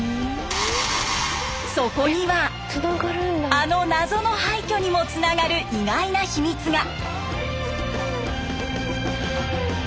そこにはあの謎の廃虚にもつながる意外な秘密が。